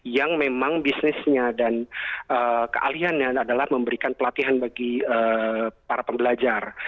yang memang bisnisnya dan kealihannya adalah memberikan pelatihan bagi para pembelajar